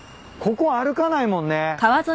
ここ歩かないもんね。